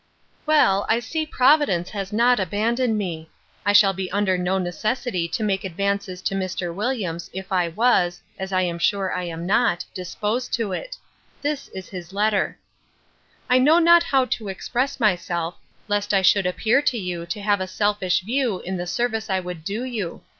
Well, I see Providence has not abandoned me: I shall be under no necessity to make advances to Mr. Williams, if I was (as I am sure I am not) disposed to it. This is his letter: 'I know not how to express myself, lest I should appear to you to have a selfish view in the service I would do you.